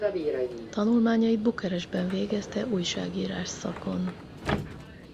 Tanulmányait Bukarestben végezte újságírás szakon.